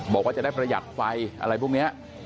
บอกว่าจะได้ประหยัดไฟอะไรพวกนี้